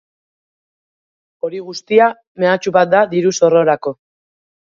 Hori guztia mehatxu bat da diru-zorrorako.